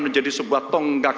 dengan cara meridik